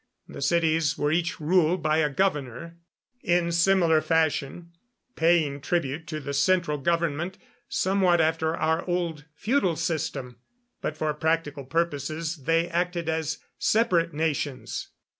The cities were each ruled by a governor in similar fashion, paying tribute to the central government somewhat after our old feudal system; but for practical purposes they acted as separate nations.